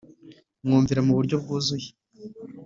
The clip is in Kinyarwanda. mwumvira mu buryo bwuzuye